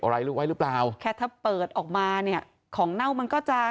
อะไรลูกไว้หรือเปล่าแค่ถ้าเปิดออกมาเนี่ยของเน่ามันก็จะ